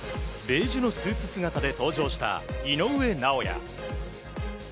ベージュのスーツ姿で登場した井上尚弥。